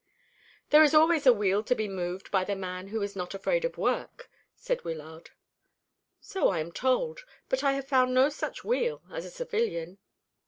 "There is always a wheel to be moved by the man who is not afraid of work," said Wyllard. "So I am told, but I have found no such wheel, as a civilian.